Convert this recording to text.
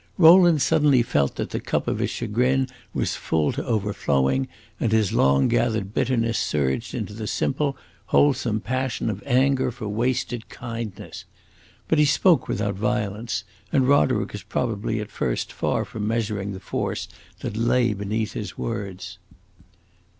Rowland suddenly felt that the cup of his chagrin was full to overflowing, and his long gathered bitterness surged into the simple, wholesome passion of anger for wasted kindness. But he spoke without violence, and Roderick was probably at first far from measuring the force that lay beneath his words.